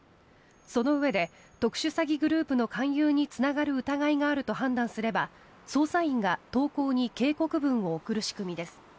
そのうえで特殊詐欺グループの勧誘につながる疑いがあると判断すれば、捜査員が投稿に警告文を送る仕組みです。